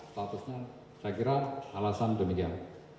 statusnya saya kira alasan demikian